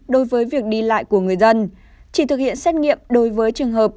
đối với việc đi lại của người dân chỉ thực hiện xét nghiệm đối với trường hợp